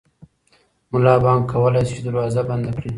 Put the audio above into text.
ملا بانګ کولی شي چې دروازه بنده کړي.